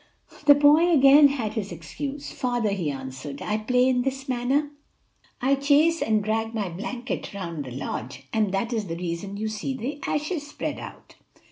The boy again had his excuse. "Father," he answered, "I play in this manner: I chase and drag my blanket around the lodge, and that is the reason you see the ashes spread about."